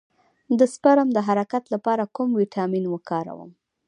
د سپرم د حرکت لپاره کوم ویټامین وکاروم؟